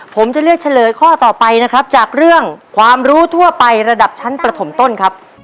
ผมจะเลือกเฉลยข้อต่อไปนะครับจากเรื่องความรู้ทั่วไประดับชั้นประถมต้นครับ